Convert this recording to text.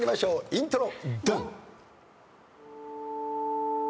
イントロ。